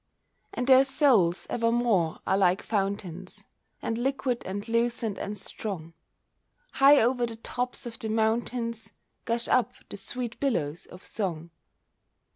And their souls evermore are like fountains, And liquid and lucent and strong, High over the tops of the mountains Gush up the sweet billows of song.